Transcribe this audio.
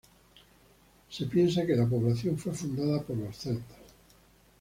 Se piensa que la población fue fundada por los celtas.